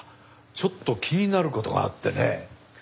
ちょっと気になる事があってね。